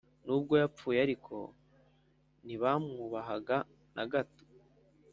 Nubwo yapfuye ariko ntibamwubahaga na gato